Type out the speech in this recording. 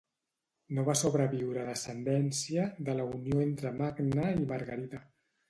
No va sobreviure descendència de la unió entre Magne i Margarida.